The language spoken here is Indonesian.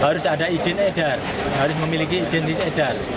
kalau tidak memiliki izin edar harus memiliki izin edar